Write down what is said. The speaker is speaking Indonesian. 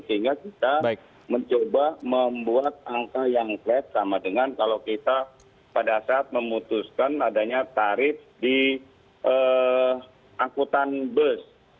sehingga kita mencoba membuat angka yang flat sama dengan kalau kita pada saat memutuskan adanya tarif di angkutan bus